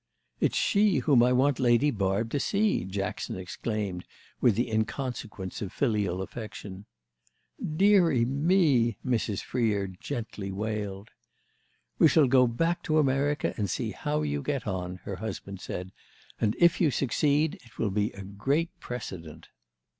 "It's she whom I want Lady Barb to see!" Jackson exclaimed with the inconsequence of filial affection. "Deary me!" Mrs. Freer gently wailed. "We shall go back to America to see how you get on," her husband said; "and if you succeed it will be a great precedent."